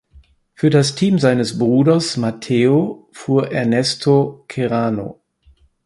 Für das Team seines Bruders Matteo fuhr Ernesto Ceirano.